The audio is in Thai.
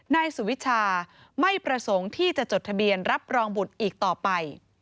นายสุวิชาไม่ประสงค์ที่จะจดทะเบียนรับรองบุตรอีกต่อไป